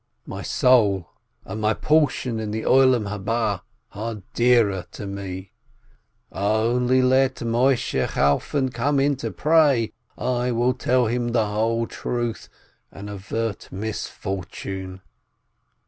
My soul and my portion of the world to come are dearer to me. Only let Moisheh Chalfon come in to pray, I will tell him the whole truth and avert misfortune."